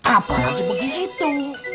apa lagi begitu